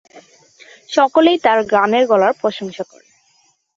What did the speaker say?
সকলেই তার গানের গলার প্রশংসা করে।